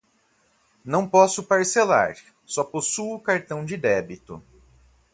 Não posso parcelar, só possuo cartão de débito.